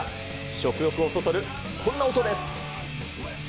食欲をそそる、こんな音です。